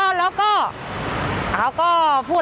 พูดแล้วเขาก็เอาพวก